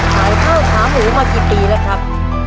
กี่สิบปีครับ